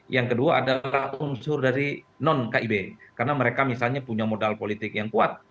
yang kedua adalah unsur dari non kib karena mereka misalnya punya modal politik yang kuat